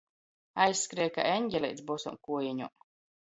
Aizskrēja kai eņgeleits bosom kuojeņom.